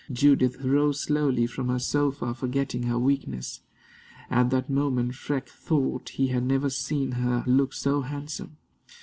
Judith rose slowly from her sofa, forgetting her weakness. At that moment Freke thought he had never seen her look so handsome.